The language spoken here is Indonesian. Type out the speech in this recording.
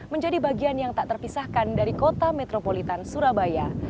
menjadi bagian yang tak terpisahkan dari kota metropolitan surabaya